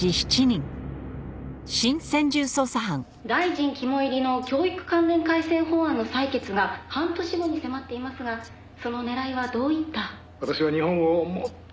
「大臣肝煎りの教育関連改正法案の採決が半年後に迫っていますがその狙いはどういった？」